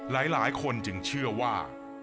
หลายคนจึงเชื่อว่า